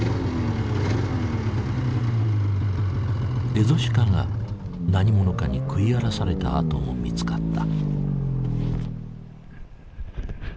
エゾシカが何者かに食い荒らされた跡も見つかった。